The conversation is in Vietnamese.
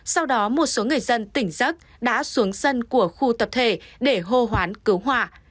sau đó một số người dân tỉnh giấc đã xuống sân của khu tập thể để hô hoán cứu hỏa